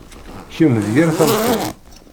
Kemm d yir tameṭṭut.